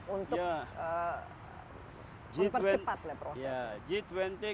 untuk mempercepat prosesnya